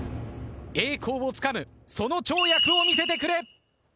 栄光をつかむその跳躍を見せてくれ。